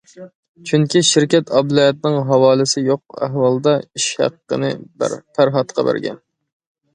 چۈنكى شىركەت ئابلەتنىڭ ھاۋالىسى يوق ئەھۋالدا ئىش ھەققىنى پەرھاتقا بەرگەن.